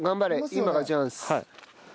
今がチャンス。